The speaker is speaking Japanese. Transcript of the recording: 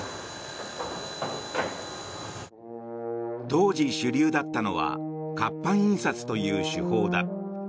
当時、主流だったのは活版印刷という手法だ。